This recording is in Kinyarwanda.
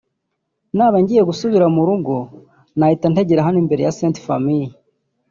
naba ngiye gusubira mu rugo nahitaga ntegera hano imbere ya St Famille